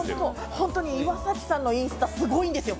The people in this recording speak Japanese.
本当に岩崎さんのインスタ、すごいんですよ！